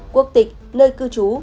quốc tịch nơi cư trú